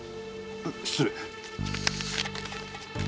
失礼。